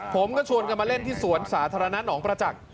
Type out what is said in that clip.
ผมก็ชวนกันมาเล่นที่สวนสาธารณะหนองประจักษ์